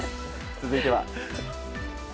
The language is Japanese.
続いては。